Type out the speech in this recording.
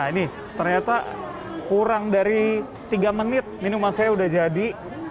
ini ternyata kurang dari tiga menit minuman saya udah jadi